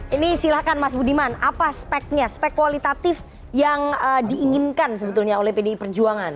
ini silahkan mas budiman apa speknya spek kualitatif yang diinginkan sebetulnya oleh pdi perjuangan